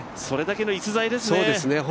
それだけの逸材ですね。